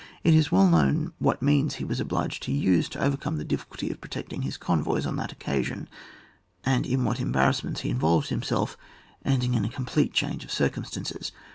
It is well known what means he was obliged to use to oTercome the difficulty of protecting his convoys on that occasion, and in what embarrassments he involved himself, ending in a complete change of circumstances.